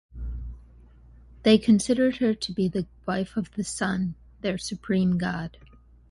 They considered her to be the wife of the sun, their supreme god.